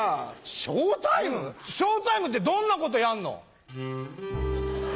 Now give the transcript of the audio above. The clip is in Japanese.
ショータイムってどんなことやんの？